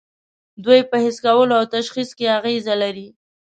دوی په حس کولو او تشخیص کې اغیزه لري.